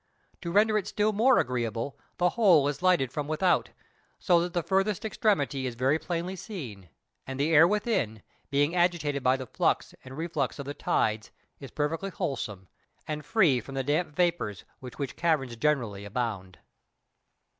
To render it still more agreeable, the whole is lighted from without, so that the farthest extremity is very plainly seen; and the air within, being agitated by the flux and reflux of the tides is perfectly wholesome, and free from the damp vapors with which caverns generally abound.